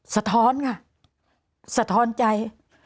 สะท้อนค่ะสะท้อนใจ